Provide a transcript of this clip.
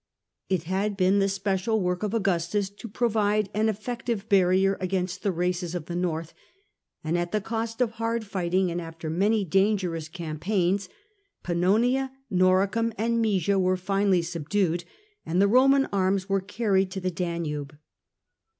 It had been the special work of Augustus to provide an effective barrier against the races of the North ; and at the cost of hard fighting, and after many dangerous campaigns, Pannonia, Nori cum and Maesia were finally subdued and the Roman arms were carried to the Danube.